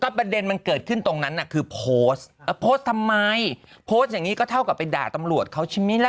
ประเด็นมันเกิดขึ้นตรงนั้นน่ะคือโพสต์โพสต์ทำไมโพสต์อย่างนี้ก็เท่ากับไปด่าตำรวจเขาใช่ไหมล่ะ